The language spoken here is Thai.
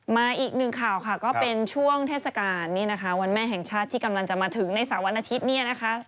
มาอีกหนึ่งข่าวค่ะก็เป็นช่วงเทศกาลนี่นะคะวันแม่แห่งชาติที่กำลังจะมาถึงในเสาร์วันอาทิตย์เนี่ยนะคะ